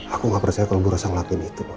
aku gak percaya kalau bu rosa ngelakuin itu pak